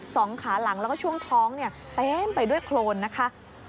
สองขาหลังและช่วงท้องไปด้วยโคลนนะคะ